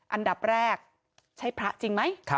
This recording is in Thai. อันดับแรกใช่พระจริงไหม